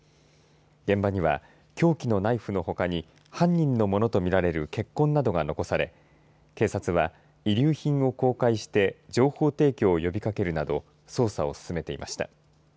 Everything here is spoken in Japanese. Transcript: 現場には凶器のナイフのほかに犯人のものとみられる血痕などが残され警察は遺留品を公開して情報提供を呼びかけるなど捜査を進めていました。